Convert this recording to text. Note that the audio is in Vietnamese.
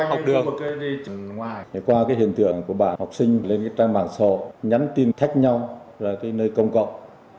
học được qua cái hiện tượng của bà học sinh lên cái trang mạng sổ nhắn tin thách nhau là cái nơi công cộng